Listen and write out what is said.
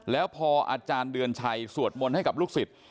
แล้วพออาจารย์เดือนชัยสวดมนต์ให้กับลูกศิษย์